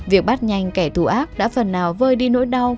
việc bắt nhanh kẻ thù ác đã phần nào vơi đi nỗi đau